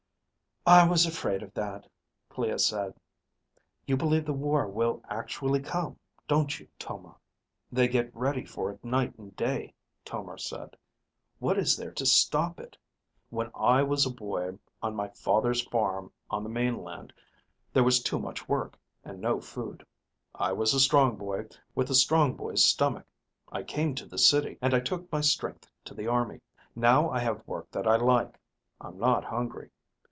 "I was afraid of that," Clea said. "You believe the war will actually come, don't you, Tomar?" "They get ready for it night and day," Tomar said. "What is there to stop it? When I was a boy on my father's farm on the mainland, there was too much work, and no food. I was a strong boy, with a strong boy's stomach. I came to the City and I took my strength to the army. Now I have work that I like. I'm not hungry.